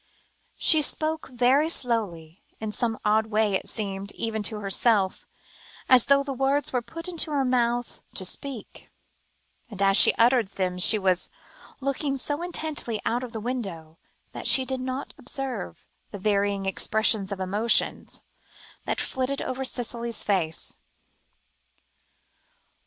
She spoke very slowly; in some odd way it seemed, even to herself, as though the words were put into her mouth to speak, and as she uttered them she was looking so intently out of the window, that she did not observe the varying expressions of emotions that flitted over Cicely's face.